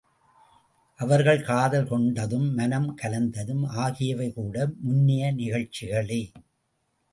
அவர்கள் காதல் கொண்டதும் மனம் கலந்ததும் ஆகியவை கூட முன்னைய நிகழ்ச்சிகளே!